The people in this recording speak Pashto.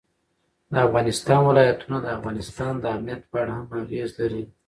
د افغانستان ولايتونه د افغانستان د امنیت په اړه هم اغېز لري.